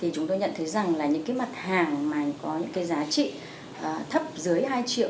chúng tôi nhận thấy rằng những mặt hàng có giá trị thấp dưới hai triệu